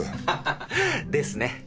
ハハハですね。